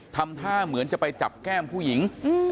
ทำท่าเหมือนจะไปจับแก้มผู้หญิง